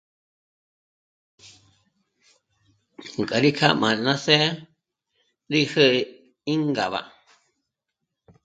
Gá kjá rí k'ambá ná së̀'ë rí jé'e íngaba